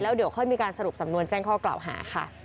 เดี๋ยวค่อยมีการสรุปสำนวนแจ้งข้อกล่าวหาค่ะ